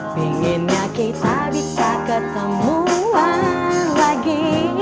inginnya kita bisa ketemuan lagi